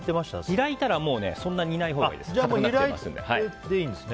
開いたらそんなに煮ないほうがいいです。